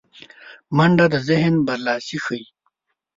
منډه د ذهن برلاسی ښيي